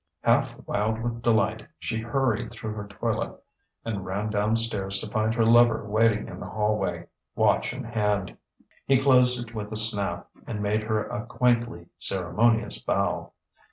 Half wild with delight, she hurried through her toilet and ran down stairs to find her lover waiting in the hallway, watch in hand. He closed it with a snap, and made her a quaintly ceremonious bow.